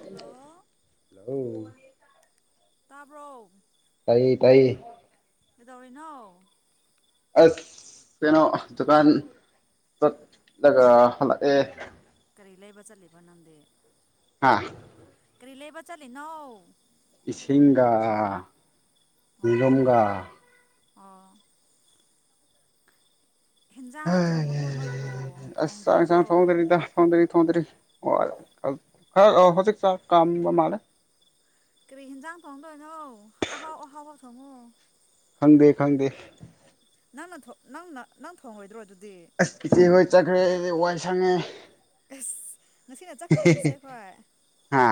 hello hello ꯇꯥꯕ꯭ꯔꯣ ꯇꯏ ꯇꯏ ꯀꯗꯧꯅꯣ ꯑꯁ ꯀꯩꯅꯣ ꯗꯨꯀꯥꯟ ꯑꯦ ꯀꯔꯤ ꯂꯩꯕ ꯆꯠꯂꯤꯕ ꯅꯪꯗꯤꯦ ꯍꯥꯥ ꯀꯔꯤ ꯂꯩꯕ ꯆꯂꯤꯅꯧ ꯏꯁꯤꯡꯁꯤꯡꯒꯥ ꯃꯤꯂꯨꯝꯒꯥ ꯑꯣ ꯍꯦꯟꯖꯥꯡꯅꯤ ꯊꯣꯡꯉꯕꯣ ꯅꯣꯏꯕꯨ ꯑꯁ ꯆꯥꯛ ꯊꯣꯡꯗ꯭ꯔꯤꯕꯣ ꯏꯟꯁꯥꯡ ꯊꯣꯡꯗ꯭ꯔꯤꯗ ꯊꯣꯡꯗ꯭ꯔꯤ ꯊꯣꯡꯗ꯭ꯔꯤ ꯑꯣ ꯈꯔ ꯍꯧꯖꯤꯛ ꯆꯥꯛ ꯀꯥꯝꯕ ꯃꯥꯜꯂꯦ ꯀꯔꯤ ꯍꯦꯟꯖꯥꯡ ꯊꯣꯡꯗꯣꯏ ꯅꯧ ꯑꯍꯥꯎ ꯑꯍꯥꯎꯕ ꯊꯉꯣ ꯈꯪꯗꯦ ꯈꯪꯗꯦ ꯅꯪꯅ ꯅꯪꯅ ꯅꯪ ꯊꯣꯡꯉꯣꯏꯗ꯭ꯔꯣ ꯑꯗꯨ ꯑꯁ ꯏꯆꯦꯈꯣꯏ ꯆꯠꯈ꯭ꯔꯦ ꯋꯥꯏ ꯁꯪꯉꯦ ꯑꯁ ꯉꯁꯤꯅ ꯆꯠꯈ꯭ꯔꯕꯣꯅꯁꯦ ꯍꯣꯏ ꯍꯥ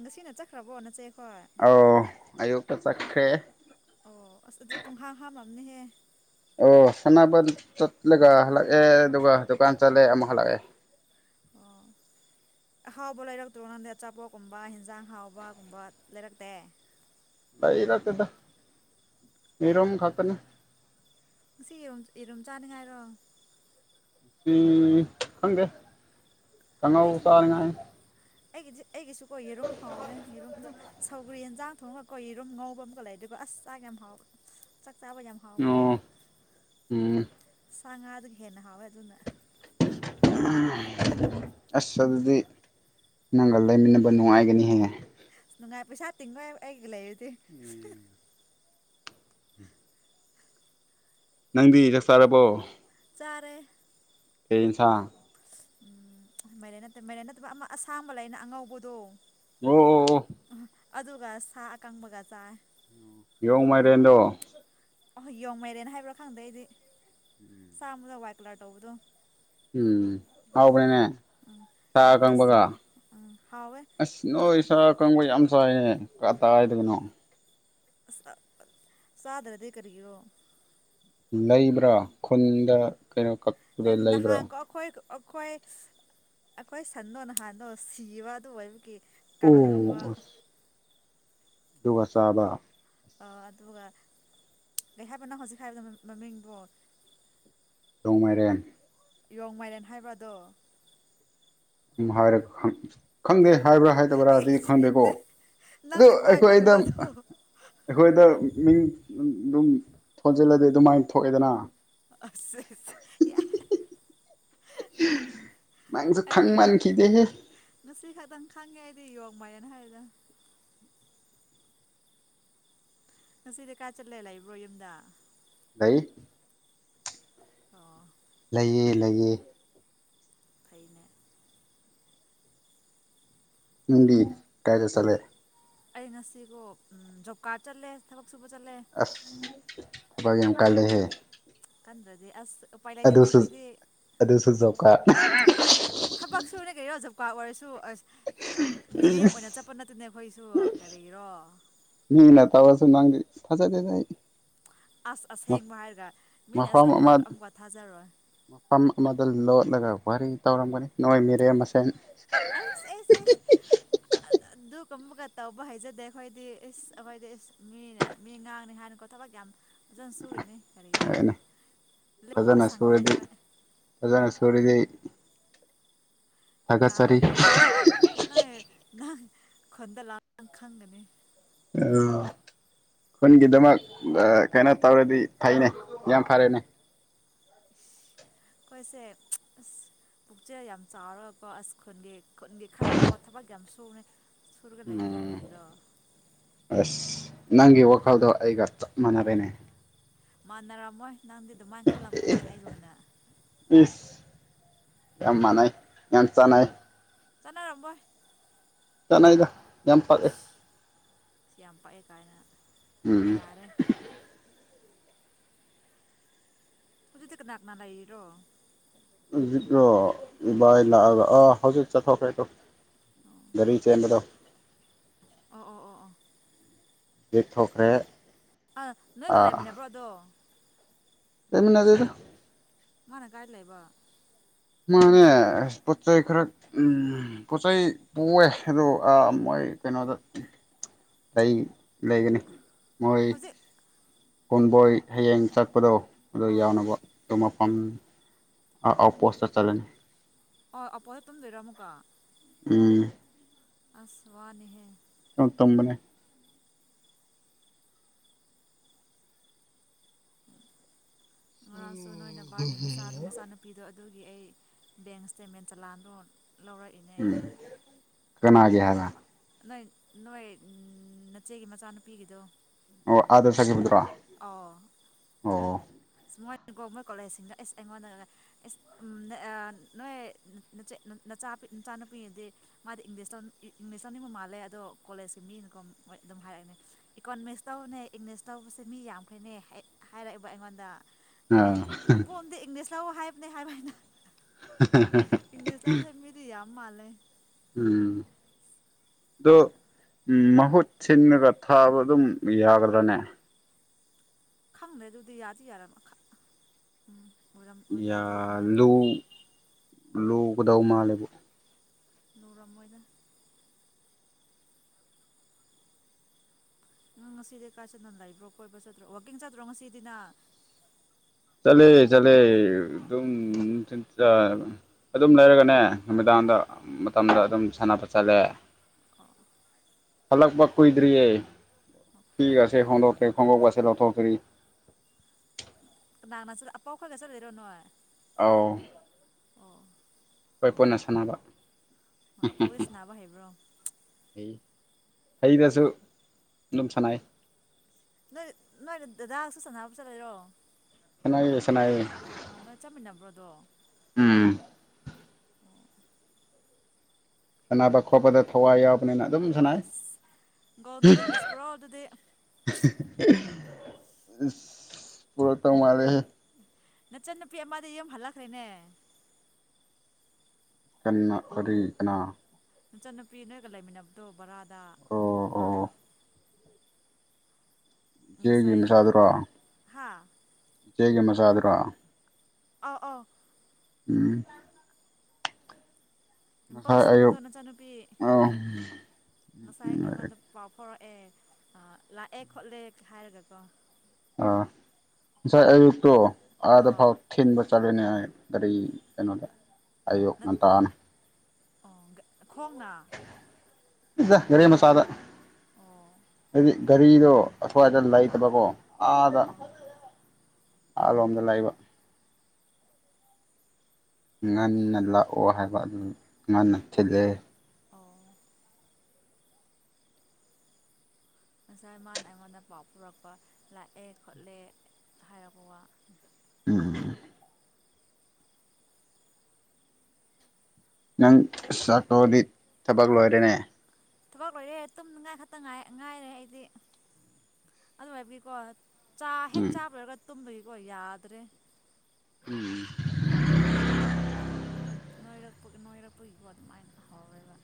ꯉꯁꯤꯅ ꯆꯠꯈ꯭ꯔꯕꯣ ꯅꯆꯦ ꯑꯧ ꯑꯌꯨꯛꯇ ꯆꯠꯈ꯭ꯔꯦ ꯑ ꯍꯦ ꯑꯣ ꯁꯅꯕ ꯆꯠꯂꯒ ꯍꯜꯂꯛꯑꯦ ꯑꯗꯨꯒ ꯗꯨꯀꯥꯟ ꯆꯠꯂꯦ ꯑꯃꯨꯛ ꯍꯜꯂꯛꯑꯦ ꯑꯣ ꯑꯍꯥꯎꯕ ꯂꯩꯔꯛꯇ꯭ꯔꯣ ꯅꯪꯗ ꯑꯆꯥꯄꯣꯠꯀꯨꯝꯕ ꯍꯟꯖꯥꯡ ꯍꯥꯎꯕꯒꯨꯝꯕ ꯂꯩꯔꯛꯇꯦ ꯂꯥꯏꯔ ꯇꯗ ꯅꯔꯝ ꯈꯛꯇꯅ ꯉꯁꯤ ꯌꯦꯨꯝ ꯌꯦꯔꯨꯝ ꯆꯥꯅꯤꯉꯥꯏꯔꯣ ꯁꯤ ꯈꯪꯗꯦ ꯈꯪꯍꯧ ꯑꯩꯗꯤ ꯆꯥꯔꯤꯉꯥꯏ ꯑꯩꯒꯤꯗꯤ ꯑꯩꯒꯤꯁꯨꯀꯣ ꯌꯦꯔꯨꯝ ꯍꯥꯎꯋꯦ ꯌꯦꯔꯨꯝ ꯑꯗꯨꯝ ꯁꯧꯒ꯭ꯔꯤ ꯌꯦꯟꯖꯥꯡ ꯊꯣꯡꯉꯒ ꯀꯧꯔꯨꯝ ꯉꯧꯕ ꯑꯃꯒꯀ ꯂꯩ ꯑꯗꯨꯒ ꯑꯁ ꯆꯥꯛ ꯌꯥꯝ ꯍꯥꯎꯕ ꯑꯣ ꯎꯝ ꯁꯥ ꯉꯥꯗꯨꯒ ꯍꯦꯟꯅ ꯍꯥꯎꯋꯦ ꯑꯗꯨꯅ ꯑꯁ ꯑꯗꯨꯗꯤ ꯅꯪꯒ ꯂꯩꯃꯤꯟꯅꯕ ꯅꯨꯡꯉꯥꯏꯒꯅꯤꯍꯦꯍ ꯅꯨꯡꯉꯥꯏ ꯄꯩꯁꯥ ꯇꯤꯡꯉꯥꯏ ꯑꯩꯒꯤ ꯂꯩꯔꯗꯤ ꯅꯪꯗꯤ ꯆꯛ ꯆꯥꯔꯕꯣ ꯆꯔꯦ ꯀꯩ ꯏꯟꯁꯥꯡ ꯎꯝ ꯃꯥꯏꯔꯦꯟ ꯅꯠꯇꯦ ꯃꯥꯏꯔꯦꯟ ꯅꯠꯇꯕ ꯑꯃ ꯑꯁꯥꯡꯕ ꯂꯩꯕ ꯑꯉꯧꯕꯗꯣ ꯑꯣ ꯑꯣ ꯑꯣ ꯑꯗꯨꯒ ꯁꯥ ꯑꯀꯪꯕꯒ ꯆꯥꯏ ꯌꯣꯡ ꯃꯥꯏꯔꯦꯟꯗꯣ ꯌꯣꯡ ꯃꯥꯏꯔꯦꯟ ꯍꯥꯏꯕ꯭ꯔꯥ ꯈꯪꯗꯦ ꯑꯩꯗꯤ ꯁꯥ ꯋꯥꯏꯠ ꯀꯂꯔ ꯇꯧꯕꯗꯣ ꯎꯝ ꯍꯥꯎꯕꯅꯤꯅꯦ ꯁꯥ ꯑꯗꯨꯒ ꯀꯪꯕꯒ ꯎꯝ ꯍꯥꯎꯋꯦ ꯑꯁ ꯅꯣꯏ ꯏꯁꯥ ꯀꯪꯕ ꯌꯥꯝ ꯆꯥꯏꯌꯦ ꯀꯗꯥꯏꯗꯩꯅꯣ ꯁꯥꯗꯔꯗꯤ ꯀꯔꯤꯣ ꯂꯩꯕ꯭ꯔꯥ ꯈꯨꯟꯗ ꯀꯩꯅꯣ ꯀꯛꯄꯗ ꯂꯩꯕ꯭ꯔꯥ ꯅꯍꯥꯟꯀꯣ ꯑꯩꯈꯣꯏ ꯑꯩꯈꯣꯏ ꯑꯩꯈꯣꯏ ꯁꯟꯗꯣ ꯅꯍꯥꯟꯗꯣ ꯁꯤꯕ ꯑꯗꯨ ꯑꯣꯏꯕꯒꯤ ꯀꯪꯉꯝꯕ ꯑꯣ ꯑꯗꯨꯒ ꯆꯥꯕ ꯑꯗꯨꯒ ꯍꯥꯏꯕ ꯅꯪ ꯍꯧꯖꯤꯛ ꯍꯥꯏꯕꯗ ꯃꯃꯤꯡꯗꯣ ꯌꯣꯡꯃꯥꯏꯔꯦꯝ ꯌꯣꯡ ꯃꯥꯏꯔꯦꯟ ꯍꯥꯏꯕꯔꯗꯣ ꯎꯝ ꯍꯥꯏꯔꯒ ꯈꯪꯗꯦ ꯍꯥꯏꯕ꯭ꯔꯥ ꯑꯩ ꯍꯥꯏꯗꯕ꯭ꯔꯥꯗꯤ ꯈꯪꯗꯦꯀꯣ ꯑꯗꯨ ꯅꯪꯗꯤ ꯀꯃꯥꯏꯅ ꯑꯩꯈꯣꯏꯗ ꯈꯪꯉꯤꯕ ꯑꯗꯣ ꯑꯩꯈꯣꯏꯗ ꯃꯤꯡ ꯑꯗꯨꯝ ꯊꯣꯟꯖꯤꯜꯂꯗꯤ ꯑꯗꯨꯃꯥꯏꯅ ꯊꯣꯛꯑꯦꯗꯅ ꯑꯁꯦ ꯅꯪꯁꯨ ꯊꯪ ꯑꯩꯗꯤ ꯃꯥꯟꯈꯤꯗꯦꯍ ꯉꯁꯤ ꯈꯛꯇꯪ ꯈꯪꯉꯦ ꯑꯩꯗꯤ ꯌꯣꯡ ꯃꯌꯦꯅ ꯍꯥꯏꯗ ꯉꯁꯤꯗꯤ ꯀꯥ ꯆꯠꯂꯦ ꯂꯩꯕ꯭ꯔꯣ ꯌꯨꯝꯗ ꯂꯩꯏ ꯑꯣ ꯂꯩꯌꯦ ꯂꯩꯌꯦ ꯐꯥꯏꯩꯅ ꯎꯗꯤ ꯀꯥꯒ ꯆꯂꯦ ꯑꯩ ꯉꯁꯤꯕꯨꯣ ꯖꯣꯕ ꯀꯥꯔꯠ ꯆꯠꯂꯦ ꯊꯕꯛ ꯁꯨꯕ ꯆꯠꯂꯦ ꯊꯈ ꯌꯥꯝ ꯀꯥꯏꯂꯦꯍꯦ ꯀꯟꯗ꯭ꯔꯗꯤꯦ ꯑꯁ ꯎꯄꯥꯏ ꯂꯩꯇꯦꯅꯦ ꯑꯗꯣꯁꯨ ꯑꯩꯈꯣꯏꯗꯤ ꯑꯗꯨꯗꯁꯨꯖꯧꯀꯥ ꯀꯣꯖꯀꯥ ꯑꯣꯏꯔꯁꯨ ꯑꯁ ꯃꯤꯔꯦꯝ ꯑꯣꯏꯅ ꯆꯠꯄ ꯅꯠꯇꯦꯅꯦ ꯑꯩꯈꯣꯏꯁꯨ ꯀꯔꯤꯔꯣ ꯃꯤ ꯅ ꯇꯕꯁꯨ ꯅꯪꯂꯤ ꯊꯆꯗꯦ ꯇꯥꯏ ꯑꯁ ꯑꯁꯦꯡꯕ ꯍꯥꯏꯔꯒ ꯃꯤꯅ ꯃꯐꯝ ꯑꯁꯦꯡꯕ ꯑꯃ ꯍꯥꯏꯔꯒ ꯑꯃꯨꯛꯀ ꯊꯥꯖꯔꯣꯏ ꯂ ꯋꯥꯔꯤ ꯇꯧꯔꯝꯒꯅꯤ ꯅꯣꯡꯣꯏ ꯃꯔꯦ ꯃꯁꯦꯟ ꯑꯁ ꯑꯁ ꯑꯁꯗꯨ ꯀꯨꯝꯕꯒ ꯇꯧꯕ ꯍꯩꯖꯗꯦ ꯑꯩꯈꯣꯏꯗꯤ ꯏꯁ ꯑꯩꯈꯣꯏꯗꯤ ꯏꯁ ꯃꯤꯅꯦ ꯃꯤ ꯉꯥꯡꯅꯤ ꯍꯥꯏꯅꯀꯣ ꯊꯕꯛ ꯌꯥꯝ ꯑꯣꯖꯅ ꯁꯔꯤꯅꯦ ꯀꯒꯥꯔꯤꯒꯤꯔꯣ ꯂꯣꯏ ꯄꯥꯎ ꯐꯖꯅ ꯁꯪꯗꯦ ꯁꯨꯔꯗꯤ ꯈꯣ ꯐꯖꯅ ꯁꯨꯔꯗꯤ ꯊꯥꯒꯠꯆꯔꯤ ꯂꯥꯛꯂ ꯅꯣꯏ ꯅꯪ ꯈꯨꯟꯗ ꯂꯥꯛ ꯈꯪꯒꯅꯤ ꯑ [inaudible] ꯈꯨꯟꯒꯤꯗꯃꯛ ꯀꯩꯅꯣ ꯇꯧꯔꯗꯤ ꯐꯩꯅꯦ ꯌꯥꯝ ꯐꯔꯦꯅꯦ ꯀꯣꯏꯁꯦ ꯄꯨꯛꯆꯦ ꯌꯥꯝ ꯆꯥꯎꯔꯀꯣ ꯑꯁ ꯈꯨꯟꯒꯤ ꯈꯨꯟꯒꯦ ꯈꯜꯂꯒꯀꯣ ꯊꯕꯛ ꯌꯥꯝ ꯁꯨꯉ ꯎꯝ ꯑꯁ ꯅꯪ ꯏ ꯋꯥ ꯀꯥꯜꯗꯣ ꯑꯩꯒꯞ ꯃꯅꯔꯦꯅꯦ ꯃꯥꯟꯅꯔꯝꯃꯣꯏ ꯅꯪꯗꯤ ꯑꯗꯨꯃꯥꯏꯅ ꯈꯜꯂꯝꯃꯣꯏꯍ ꯑꯩꯒꯨꯝꯅ ꯏꯁ ꯌꯥꯝ ꯃꯥꯟꯅꯩ ꯌꯥꯝ ꯆꯥꯅ ꯆꯅꯥ ꯔꯝꯕ ꯆꯥꯟꯅꯗ ꯌꯥꯝꯝ ꯄꯥꯛꯦ ꯁꯤ ꯌꯥꯝ ꯄꯛꯑꯦ ꯀꯥꯏꯅ ꯎꯝ ꯌꯥꯔꯦ ꯍꯧꯖꯤꯗꯤ ꯀꯅꯥ ꯀꯅꯥ ꯂꯩꯔꯣ ꯚꯥꯏ ꯂꯥꯛꯑꯒ ꯑꯥ ꯍꯧꯖꯤꯛ ꯆꯠꯊꯣꯛꯈ꯭ꯔꯦ ꯇꯧ ꯔꯤ ꯆꯦꯟꯗ ꯑꯣ ꯑꯣ ꯑꯣ ꯑꯣ ꯦꯛ ꯊꯈ꯭ꯔꯦ [inaudible] ꯑ ꯅꯣꯏꯒ ꯂꯩꯃꯤꯟꯅꯕ꯭ꯔꯣ ꯑꯗꯣ ꯂꯩꯃꯤꯟꯅꯗꯗꯣ ꯃꯥꯅ ꯀꯥꯏ ꯂꯩꯑꯕ ꯃꯥꯅꯦ ꯑ ꯄꯣꯠ ꯆꯩꯩ ꯈꯔ ꯎꯝ ꯄꯣꯠ ꯆꯩ ꯄꯑꯦ ꯑꯗꯣ ꯀꯩꯅꯣꯗ ꯑꯩꯏ ꯂꯩꯒꯅꯤ ꯃꯣꯏ ꯍꯧꯖꯤꯛ ꯀꯨꯟꯕꯣꯏ ꯍꯌꯦꯡ ꯆꯠꯄꯗꯣ ꯑ ꯑꯣ ꯌꯥꯎꯅꯕ ꯑꯗꯨ ꯃꯐꯝ ꯑꯥꯎꯠꯄꯣꯁꯇ ꯆꯠꯂꯅꯤ ꯑꯣ ꯑꯄꯣꯗ ꯇꯨꯝꯕꯤꯣꯏꯔꯝꯃꯨꯀ ꯎꯝ ꯑꯁ ꯋꯥꯅꯤꯍꯦ ꯇꯝꯕꯅꯦ ꯉꯔꯥꯡꯁꯨ ꯅꯣꯏꯅꯕꯥꯒꯤ ꯃꯆꯥ ꯃꯆꯥꯅꯨꯄꯤꯗꯣ ꯑꯗꯨꯒꯤ ꯑꯩ ꯕꯦꯡ ꯏꯁꯇꯦꯃꯦꯟ ꯆꯂꯥꯟꯥꯟꯗꯣ ꯂꯧꯔꯛꯏꯅꯦ ꯎꯝ ꯑꯩꯅ ꯀꯅꯥꯒꯤ ꯍꯥꯏꯕ ꯅꯣꯏ ꯅꯣꯏ ꯅꯆꯦꯒꯤ ꯃꯆꯥꯅꯨꯄꯤꯒꯤꯗꯣ ꯑꯣ ꯑꯥꯗ ꯆꯈꯤꯕꯗ꯭ꯔꯣ ꯑꯣ ꯒꯣꯔꯃꯣꯏ ꯀꯣꯂꯦꯖꯁꯤꯡꯗ ꯑꯦꯁ ꯑꯩꯉꯣꯟꯗ ꯅꯣꯏꯆꯦꯠ ꯆꯥ ꯅꯆꯥꯅꯨꯄꯤꯗꯤ ꯃꯥꯗꯤ ꯏꯪꯂꯤꯁ ꯏꯪꯂꯤꯁ ꯂꯧꯅꯤꯡꯕ ꯃꯥꯜꯂꯦ ꯑꯗꯣ ꯀꯣꯂꯦꯖꯀꯤ ꯃꯤꯅꯀꯣ ꯑꯗꯨꯝ ꯍꯥꯏꯔꯛꯅꯦ ꯏꯀꯣꯅꯣꯃꯤꯛꯁ ꯇꯧꯕꯅꯦ ꯏꯪꯂꯤꯁ ꯇꯧꯕꯁꯦ ꯃꯤ ꯌꯥꯝꯈꯩꯅꯦ ꯍꯥꯏꯔꯛꯏꯕ ꯑꯩꯉꯣꯟꯗ ꯍꯥꯏꯅ ꯑꯥ ꯃꯄꯣꯝꯗꯤ ꯏꯪꯂꯤꯁ ꯂꯧ ꯍꯥꯏꯕꯅꯦ ꯍꯥꯏꯕ ꯍꯥꯏꯅ ꯏꯪ ꯁꯦꯝꯃꯤꯗꯤ ꯌꯥꯝ ꯃꯥ ꯂꯩꯦ ꯎꯝ ꯑꯗꯨ ꯃꯍꯨꯠ ꯁꯤꯟꯂꯒ ꯊꯥꯕ ꯑꯗꯨꯝ ꯌꯥꯒꯗ꯭ꯔꯥꯅꯦ ꯈꯪꯗ꯭ꯔꯦ ꯑꯗꯨꯗꯤ ꯌꯥꯗꯤ ꯌꯥꯔ ꯃꯈꯥ ꯎꯝ ꯌꯥ ꯌꯥꯗꯤ ꯌꯥꯅꯉꯥꯏ ꯂꯨ ꯃꯥꯜꯂꯦ ꯂꯨꯒꯗꯧ ꯃꯥꯜꯂꯦꯕ ꯅꯨꯔꯥ ꯃꯣꯏꯗ ꯎꯝ ꯉꯁꯤꯗꯤ ꯀꯥꯏ ꯁꯟꯅ ꯂꯩꯕ꯭ꯔꯣ ꯀꯣꯏꯕ꯭ꯔꯥ ꯆꯠꯇ꯭ꯔꯣ ꯋꯥꯛꯀꯤꯡ ꯆꯠꯇ꯭ꯔꯣ ꯉꯁꯤꯗꯤꯅ ꯆꯂꯦ ꯆꯂꯦ ꯑꯗꯨꯝꯤꯟ ꯆ ꯑꯗꯨꯝ ꯂꯩꯔꯒꯅꯦ ꯅꯨꯃꯤꯗꯥꯡꯗ ꯃꯇꯝꯗ ꯑꯗꯨꯝ ꯁꯥꯟꯅꯕ ꯆꯠꯂꯦ ꯐꯜꯛ ꯄꯥꯛ ꯀꯗ꯭ꯔꯤꯌꯦ ꯊ ꯈꯣꯡꯗꯣ ꯈꯪ ꯆꯂꯣꯊꯣ ꯐꯔꯤ ꯅꯁꯨ ꯑꯄꯣ ꯈꯣꯏꯒꯦꯁ ꯂꯩꯔꯣꯅꯉꯥꯏ ꯑꯥꯎ ꯄꯣꯏꯅ ꯁꯥꯟꯅꯕ ꯑꯄꯣꯛꯄꯁ ꯅꯥꯕ ꯍꯩꯕ꯭ꯔꯣ ꯍꯩ ꯍꯩꯗꯁꯨ ꯑꯗꯨꯝ ꯁꯥꯟꯅꯩ ꯅꯣꯏ ꯅꯣꯏ ꯗꯗꯥꯁꯨ ꯁꯥꯟꯅꯕ ꯆꯠꯂꯔꯣ ꯁꯅꯏꯌꯦ ꯁꯅꯏꯌꯦ ꯑ ꯅꯣꯏ ꯆꯠꯃꯤꯟꯅꯕ꯭ꯔꯣꯗꯣ ꯎꯝ ꯁꯥꯟꯅꯕ ꯈꯣꯠꯄꯗ ꯊꯋꯥꯏ ꯌꯥꯎ ꯅ ꯑꯗꯨꯝ ꯁꯅ ꯑꯩꯁ ꯒꯣꯜ ꯃꯦꯗꯜꯂꯤꯁꯄꯨꯔꯣ ꯑꯗꯨꯗꯤ ꯄꯨꯔꯣꯇ ꯃꯥꯔꯦ ꯅꯆꯟꯅꯨꯄꯤ ꯑꯃꯗ ꯌ ꯍꯜꯂꯛꯈ꯭ꯔꯦꯅꯦ ꯀ ꯀ ꯀ ꯅꯆꯟꯅꯨꯄꯤ ꯅꯣꯏꯒ ꯂꯩꯃꯤꯟꯅꯕꯗꯣ ꯕꯔꯥꯗ ꯑꯣ ꯑꯃ ꯑꯣ ꯉꯁꯥꯏ ꯏꯆꯦꯒꯤ ꯑꯩꯉꯣꯟꯗ ꯃꯆꯥꯗꯨꯔꯣ ꯍꯥ ꯏꯆꯦꯒꯤ ꯃꯆꯥꯗꯨꯔꯣ ꯑ ꯑ ꯎꯝ ꯉꯁꯥꯏ ꯄꯤꯝꯄꯜꯁ ꯑꯌꯨꯛ ꯊꯣꯛꯄꯗ ꯅꯆꯟꯅꯨꯄꯤ ꯑꯥ ꯉꯁꯥꯏ ꯑꯩꯉꯣꯟꯗ ꯄꯥꯎ ꯐꯥꯎꯔꯛꯑ ꯑꯦ ꯂꯥꯛꯑꯦ ꯈꯣꯠꯂꯦ ꯍꯥꯏꯔꯒꯀꯣ ꯑꯥ ꯉꯁꯥꯏ ꯑꯌꯨꯛꯇꯣ ꯑꯥꯗ ꯑꯥ ꯐꯥꯎ ꯊꯤꯟꯕ ꯆꯠꯂꯨꯅꯦ ꯑꯨꯛ ꯀꯒꯥꯔꯤ ꯀꯩꯅꯣꯗ ꯑꯌꯣꯛ ꯅꯠ ꯉꯟꯇꯥꯅꯤ ꯑꯣ ꯈꯣꯡꯅ ꯏꯗ ꯔꯦ ꯃꯁꯥꯗ ꯑꯣ ꯍꯥꯏꯗꯤ ꯒꯥꯔꯤꯗꯣ ꯑꯁ꯭ꯋꯥꯏꯗ ꯂꯩꯇꯕꯀꯣ ꯑꯗ ꯑꯣ ꯑ ꯂꯣꯝꯗ ꯂꯩ ꯂꯩꯕ ꯉꯟꯅ ꯂꯥꯛꯑꯣ ꯍꯥꯏꯕ ꯑꯗꯨ ꯉꯟꯅ ꯊꯤꯜꯂꯦ ꯑꯣ ꯉꯁꯥꯏ ꯃꯥꯅ ꯑꯩꯉꯣꯟꯗ ꯄꯥꯎ ꯄꯨꯔꯛꯄ ꯂꯥꯛꯑꯦ ꯈꯣꯠꯂꯦ ꯍꯥꯏꯔꯛꯄ ꯋꯥ ꯎꯝ ꯅꯪ ꯆꯥꯛꯀꯣꯗꯤ ꯊꯕꯛ ꯂꯣꯏꯔꯦꯅꯦ ꯊꯕꯛ ꯂꯣꯏꯔꯦ ꯇꯨꯝꯅꯉꯥꯏ ꯈꯛꯇ ꯉꯥꯏꯔꯦ ꯑꯩꯗꯤ ꯑꯗꯨ ꯍꯥꯏꯕꯤꯀꯣ ꯆꯥ ꯍꯦꯛ ꯎꯝ ꯆꯥꯕꯔꯒ ꯇꯨꯝꯕꯒꯤꯀꯣ ꯌꯥꯗ꯭ꯔꯦ ꯎꯝ ꯅꯣꯏꯔꯛꯄ ꯅꯣꯏꯔꯛꯄꯒꯤꯀꯣ ꯑꯗꯨꯃꯥꯏꯅ ꯍꯧꯎꯋꯦꯕ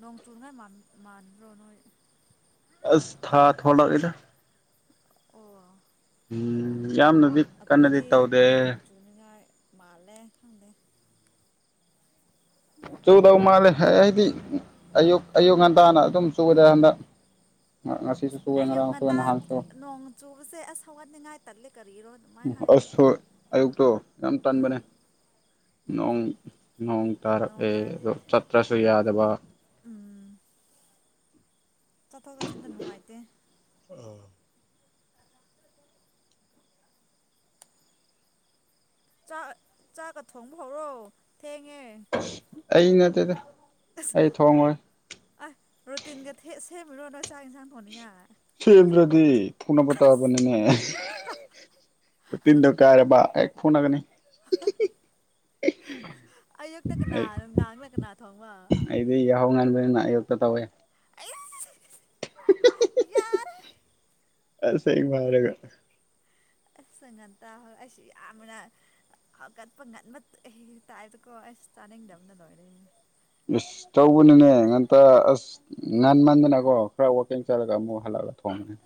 ꯅꯣꯡ ꯆꯨꯉꯥꯏ ꯃꯥꯟꯕ꯭ꯔꯣ ꯅꯣꯏ ꯑꯁ ꯊꯥ ꯊꯣꯂ ꯏꯗ ꯑꯣ ꯎꯝ ꯌꯥꯝꯅꯗꯤ ꯀꯟꯅꯗꯤ ꯇꯧꯗꯦ ꯃꯥꯂꯦ ꯈꯪꯗꯦ ꯆꯨꯗꯧ ꯃꯥꯜꯂꯦ ꯑꯩꯗꯤ ꯑꯌꯨꯛ ꯑꯌꯨꯛ ꯉꯟꯇꯥꯅ ꯑꯗꯨꯝ ꯆꯨꯗ꯭ꯔꯦ ꯍꯟꯗꯛ [inaudible] ꯉꯁꯤꯁꯨ ꯆꯨꯋꯦ ꯑꯌꯨꯛ ꯉꯔꯥꯡ ꯆꯨꯋꯦ ꯉꯟꯇꯥ ꯅꯍꯥꯟꯁꯨ ꯅꯣꯡ ꯆꯨꯕꯁꯦ ꯑꯁ ꯍꯧꯒꯠꯅꯤꯡꯉꯥꯏ ꯇꯂ ꯀꯔꯤꯔꯣ ꯃ ꯍꯥꯏꯅ ꯑꯁ ꯍꯣꯏ ꯑꯌꯨꯛꯇꯣ ꯌꯥꯝ ꯇꯟꯥꯟꯕꯅꯦ ꯅꯣꯡ ꯎꯝ ꯅꯣꯡ ꯅꯣꯡ ꯇꯥꯔꯛꯑꯦ ꯇꯥꯔꯗꯤ ꯑꯣ ꯆꯠꯇ꯭ꯔꯁꯨ ꯌꯥꯗꯕ ꯎꯝ ꯆꯠꯊꯣꯛ ꯆꯠꯁꯤꯟꯗ ꯅꯨꯡꯉꯥꯏꯇꯦ ꯆꯥꯛ ꯆꯥꯛꯀ ꯊꯣꯡꯕ ꯍꯧꯔꯣ ꯊꯦꯡꯉꯦ ꯑꯩ ꯅꯠꯇꯦꯗ ꯑꯩ ꯊꯣꯡꯡꯂꯣꯏ ꯔꯨꯇꯤꯟꯒ ꯊ ꯁꯦꯝꯃꯤꯔꯣ ꯅꯣꯏ ꯆꯥꯛ ꯏꯟꯁꯥꯡ ꯐꯣꯟꯅꯤ ꯁꯦꯝꯗ꯭ꯔꯗꯤ ꯐꯅꯕ ꯇꯥꯕꯅꯤꯅꯦ ꯇꯤꯟꯗ ꯀꯥꯔꯦ ꯐꯣꯟꯒꯅꯤ [inaudible] [inaudible] ꯑꯌꯨꯛꯇ ꯀꯅꯥ ꯑꯩ ꯅꯅ ꯀꯅꯥ ꯊꯣꯡꯕ ꯌꯌꯣꯛꯇ ꯇꯧꯋꯏꯦ ꯑꯩꯁ ꯌꯥꯔꯦ ꯑꯁꯦꯡ ꯃꯥꯔꯦꯒ ꯑꯥꯁ ꯉꯟꯇꯥ ꯍꯣꯏ ꯑꯩꯁꯨ ꯌꯥꯝꯅ ꯍꯥꯒꯠꯄ ꯉꯟ ꯃ ꯇꯥꯏꯗꯨ ꯀꯣ ꯇꯥꯅꯤ ꯗꯝꯅ ꯂꯣꯏꯔꯦ ꯑꯁ ꯇꯧꯕꯅꯤꯅꯦ ꯉꯟꯇ ꯑꯥꯁ ꯉꯥꯟꯃꯟꯗꯅꯀꯣ ꯈꯔ ꯋꯥꯛꯀꯤꯡ ꯆꯠꯂꯒ ꯑꯃꯨꯛ ꯍꯜꯂꯛꯂꯒꯦ ꯊ‌ꯣꯡꯉ‌ꯦ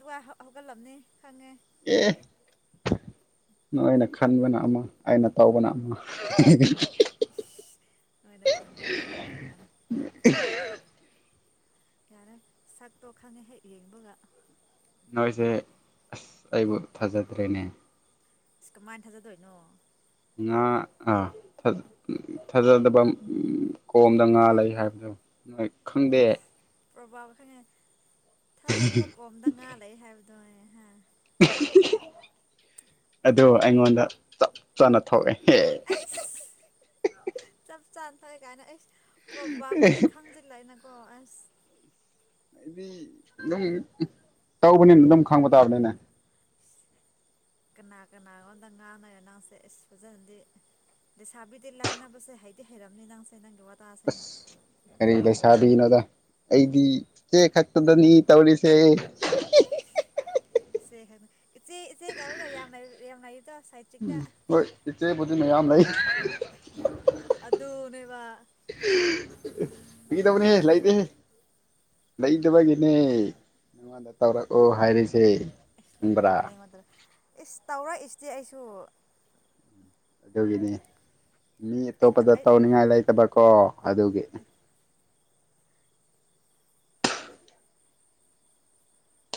ꯑꯗꯨꯒ ꯍꯧꯒꯠꯂꯝꯕꯅꯤ ꯈꯪꯉꯦ ꯑꯦ ꯅ ꯑꯩꯅ ꯈꯟꯕꯅ ꯑꯃ ꯑꯩꯅ ꯇꯥꯎꯕꯅ ꯑꯃ ꯑꯣꯏ ꯈꯥ ꯑꯅ ꯇꯧꯕꯕꯥ ꯌꯥꯔꯦ ꯁꯛꯇꯣ ꯈꯪꯉꯦ ꯍꯦꯛ ꯌꯦꯡꯕꯒ ꯅꯣꯏꯁꯦ ꯑꯁ ꯑꯩꯕꯨ ꯊꯥꯖꯗ꯭ꯔꯦꯅꯦ ꯀꯃꯥꯏꯅ ꯊꯥꯖꯗꯣꯏꯅꯣ ꯉꯥꯥ ꯊꯥꯖꯗꯕ ꯀꯣꯝꯗ ꯉꯥ ꯂꯩ ꯍꯥꯏꯕꯗꯣ ꯅꯣꯏ ꯈꯪꯗꯦ ꯄ꯭ꯔꯣꯚ ꯈ ꯊꯥꯖꯗꯕ ꯀꯣꯝꯗ ꯉꯥ ꯂꯩ ꯍꯥꯏꯕꯗꯨꯣꯅꯦ ꯍꯥ ꯑꯗꯨ ꯑꯩꯉꯣꯟꯗ ꯆꯞ ꯆꯥꯅ ꯊꯣꯛꯑꯦ ꯑꯁ ꯆ ꯆꯥꯟ ꯊꯋ ꯀꯥꯏꯅ ꯑꯁ ꯄ꯭ꯔꯚꯥꯞ ꯑꯗꯤꯩ ꯑꯩꯗꯤ ꯈꯪꯗꯂꯥꯛꯑꯅꯀꯣ ꯑꯁ ꯑꯩꯗꯤ ꯑꯗꯨꯝ ꯇꯧꯕꯅꯤꯅ ꯑꯗꯨꯝ ꯈꯪꯕ ꯇꯥꯕꯅꯤꯅꯦ ꯀꯅꯥ ꯀꯅꯥꯒꯣꯝꯇ ꯉꯥꯡꯅꯦ ꯅꯪꯁꯦ ꯑꯁ ꯐꯖꯅꯗꯤ ꯁꯥꯕꯤꯗꯤ ꯂꯥꯛꯅꯕꯁꯦ ꯍꯥꯏꯗꯤ ꯍ ꯍꯥꯏꯔꯝꯅꯤ ꯅꯪꯁꯦ ꯅꯪꯒ ꯋꯥ ꯑꯁ ꯀꯔꯤ ꯂꯩ ꯁꯥꯔ ꯅꯣꯗ ꯑꯩꯗꯤ ꯆꯦ ꯈꯛꯇꯗꯅꯤ ꯇꯧꯔꯤꯁꯦ ꯏꯆꯦ ꯍꯥꯏꯕ ꯏꯆꯦ ꯀꯔꯤꯂꯨ ꯌꯥꯝ ꯌꯥꯝ ꯂꯩꯀꯣ ꯎꯝ ꯍꯣꯏ ꯏꯆꯦ ꯕꯨꯗꯤ ꯃꯌꯥꯝ ꯂꯩ [unintelligible] ꯗꯨꯅꯦꯕ ꯐꯒꯤ ꯇꯧꯕꯅꯤꯍꯦ ꯂꯩꯇꯦꯍꯦ ꯂꯩꯇꯕꯒꯤꯅꯦ ꯅꯪꯉꯣꯟꯗ ꯇꯧꯔꯛꯑꯣ ꯍꯥꯏꯔꯤꯁꯦ ꯏꯁꯁ ꯈꯪꯕ꯭ꯔꯥ ꯂꯩꯇꯕꯒꯤꯅꯦ ꯑꯩꯉꯣꯟꯗ ꯏꯁ ꯇꯧꯔꯛꯏ ꯁꯤꯗꯤ ꯑꯩꯁꯨ ꯑꯗꯨꯒꯤꯅꯤ ꯃꯤ ꯑꯩ ꯑꯇꯣꯞꯄꯗ ꯑꯩ ꯇꯧꯅꯤꯡꯉꯥꯏ ꯂꯩꯇꯕꯀꯣ ꯑꯗꯨꯒꯤ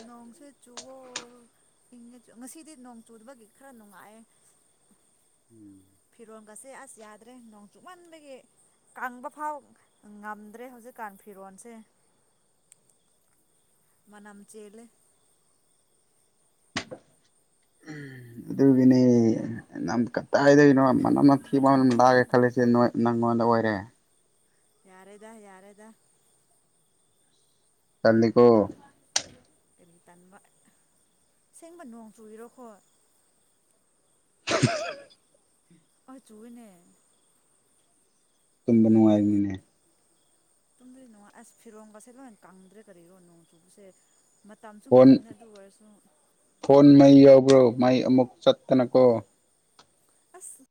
ꯅꯣꯡꯁꯦ ꯆꯨꯋꯣ ꯏꯪꯉ ꯉꯁꯤꯗꯤ ꯅꯣꯡ ꯆꯨꯗꯕꯒꯤ ꯈꯔ ꯅꯨꯡꯉꯥꯏꯑꯦ [unintelligible] ꯎꯝ ꯐꯤꯔꯣꯜꯒꯁꯦ ꯑꯁ ꯌꯥꯗ꯭ꯔꯦ ꯅꯣꯡ ꯆꯨꯃꯟꯕꯒꯤ ꯀꯪꯕ ꯐꯥꯎ ꯉꯝꯗ꯭ꯔꯦ ꯍꯧꯖꯤꯛꯀꯥꯟ ꯐꯤꯔꯣꯟꯁꯦ ꯃꯅꯝ ꯆꯦꯜꯂꯦ ꯃꯅꯝ ꯀꯗꯥꯏꯗꯒꯤꯅꯣ ꯃꯅꯝ ꯑꯊꯤꯕ ꯂꯥꯛꯢ ꯈꯜꯂꯤꯁꯦ ꯅꯣꯢ ꯅꯪꯉꯣꯟꯗ ꯑꯣꯏꯔꯦ ꯌꯥꯔꯦꯗ ꯌꯥꯔꯦꯗ ꯇꯜꯂꯤꯀꯣ ꯀꯔꯤ ꯇꯥꯟꯕ ꯁꯦꯡꯕ ꯅꯣꯡ ꯆꯨꯏꯔꯣꯀꯣ [unintelligible] ꯑꯆꯨꯅꯦ ꯇꯨꯝꯕ ꯅꯨꯡꯉꯥꯏꯃꯤꯅꯦ ꯇꯨꯝꯕ ꯅꯨꯡꯉꯥꯢ ꯑꯁ ꯐꯤꯔꯣꯟꯀꯁꯦ ꯂꯣꯏ ꯀꯪꯗ꯭ꯔꯦ ꯀꯔꯤꯅꯣ ꯅꯣꯡ ꯆꯨꯕꯁꯦ ꯃꯇꯝꯁꯨ ꯐꯣꯟ ꯃꯇꯝꯅꯤ ꯑꯗꯨ ꯑꯣꯏꯔꯁꯨ ꯎꯔꯣ ꯃꯩ ꯑꯃꯨꯛ ꯆꯠꯇꯅꯀꯣ ꯑꯁ